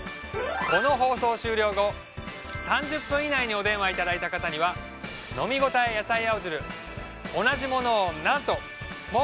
この放送終了後３０分以内にお電話いただいた方には飲みごたえ野菜青汁同じものを。